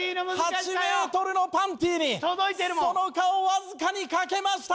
８メートルのパンティにその顔わずかにかけました。